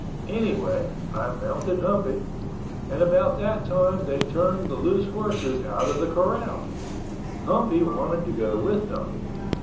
Anyway I mounted Humpy—and about that time they turned the loose horses out of the corral. Humpy wanted to go with them.